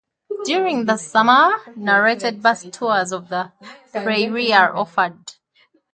During the summer, narrated bus tours of the prairie are offered.